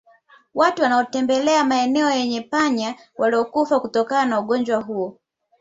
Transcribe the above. Watu wanaotembelea maeneo yenye panya waliokufa kutokana na ugonjwa huu